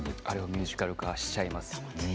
ミュージカル化しちゃいます。